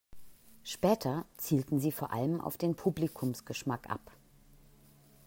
Später zielten sie vor allem auf den Publikumsgeschmack ab.